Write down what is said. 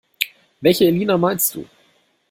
Welche Elina meinst du?